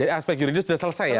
jadi aspek yuridis sudah selesai ya